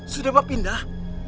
sudah pak pindah